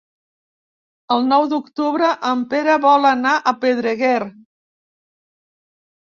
El nou d'octubre en Pere vol anar a Pedreguer.